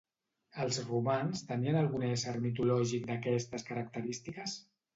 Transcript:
Els romans tenien algun ésser mitològic d'aquestes característiques?